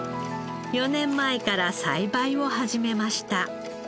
４年前から栽培を始めました。